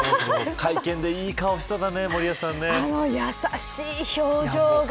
会見でいい顔してたねあのやさしい表情が